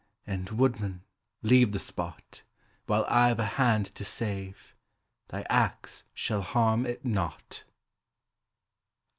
And, woodman, leave the spot; While I've a hand to save, thy axe shall harm it not.